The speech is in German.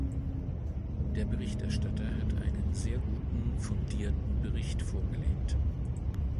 Der Berichterstatter hat einen sehr guten, fundierten Bericht vorgelegt.